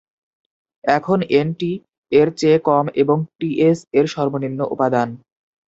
এখন "N" "T" এর চেয়ে কম এবং "টি" "এস" এর সর্বনিম্ন উপাদান।